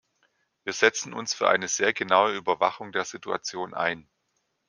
Wir setzen uns für eine sehr genaue Überwachung der Situation ein.